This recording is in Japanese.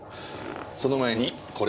その前にこれ。